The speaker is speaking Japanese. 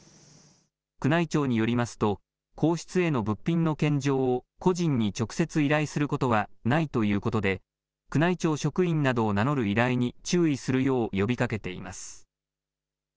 宮内庁によりますと皇室への物品の献上を個人に直接依頼することはないということで宮内庁職員などを名乗る依頼に注意するよう呼びかけています。